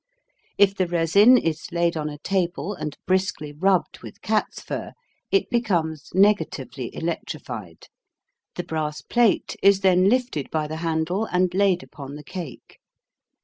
If the resin is laid on a table and briskly rubbed with cat's fur it becomes negatively electrified. The brass plate is then lifted by the handle and laid upon the cake.